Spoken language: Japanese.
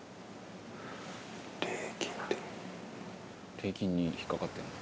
霊金に引っかかってんな。